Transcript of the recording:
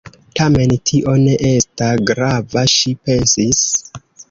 "Tamen tio ne esta grava," ŝi pensis.